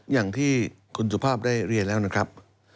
อย่างที่คุณสุภาพได้เรียนแล้วนะครับ